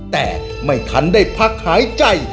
แต่ไม่ทันได้พักหายใจ